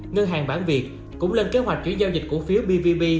ngân hàng bản việt cũng lên kế hoạch chuyển giao dịch cổ phiếu bvb